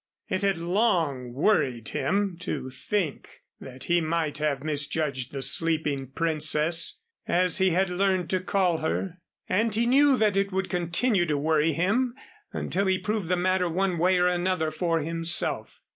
It had long worried him to think that he might have misjudged the sleeping princess as he had learned to call her and he knew that it would continue to worry him until he proved the matter one way or another for himself.